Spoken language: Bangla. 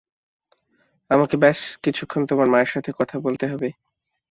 আমাকে ব্যস কিছুক্ষণ তোমার মায়ের সাথে কথা বলতে হবে।